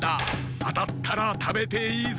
あたったらたべていいぞ。